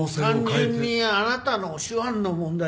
単純にあなたの手腕の問題でしょう